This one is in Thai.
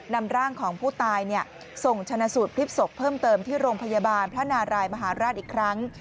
นำร่างของผู้ตายส่งชนะสูตรพลิกศพเพิ่มเติมที่โรงพยาบาลพระนารายมหาราชอีกครั้ง